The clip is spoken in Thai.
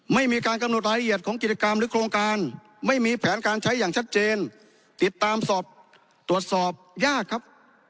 ไม่มีการกำหนดรายละเอียดของกิจกรรมหรือโครงการไม่มีแผนการใช้อย่างชัดเจนติดตามสอบตรวจสอบยากครับ